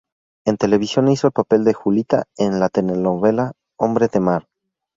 En televisión hizo el papel de "Julita" en la telenovela "Hombre de mar".